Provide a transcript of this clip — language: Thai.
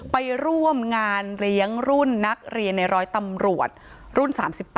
ไปร่วมงานเลี้ยงรุ่นนักเรียนในร้อยตำรวจรุ่น๓๘